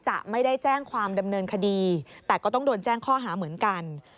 จะไม่ได้แจ้งความดำเนินคดีแต่ก็ต้องโดนแจ้งข้อหาเหมือนกัน